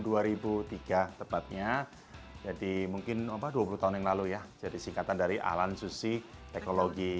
tahun dua ribu tiga tepatnya jadi mungkin dua puluh tahun yang lalu ya jadi singkatan dari alan susi teknologi